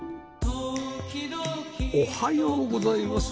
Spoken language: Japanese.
おはようございます。